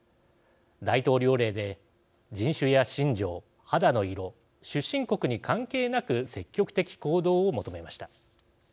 大統領令で人種や信条肌の色出身国に関係なく積極的行動を求めました。